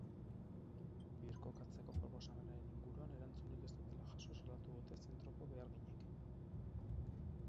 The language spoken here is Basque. Birkokatzeko proposamenaren inguruan erantzunik ez dutela jaso salatu dute zentroko beharginek.